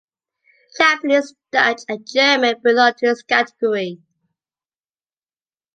Japanese, Dutch and German belong to this category.